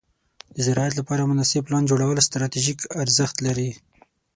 د زراعت لپاره مناسب پلان جوړول ستراتیژیک ارزښت لري.